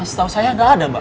setau saya gak ada mbak